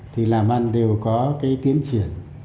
thì làm ăn đều có cái tiến triển